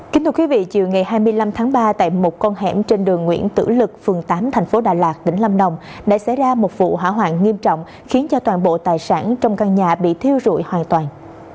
kính thưa quý vị chiều ngày hai mươi năm tháng ba tại một con hẻm trên đường nguyễn tử lực phường tám thành phố đà lạt tỉnh lâm đồng đã xảy ra một vụ hỏa hoạn nghiêm trọng khiến cho toàn bộ tài sản trong căn nhà bị thiêu rụi hoàn toàn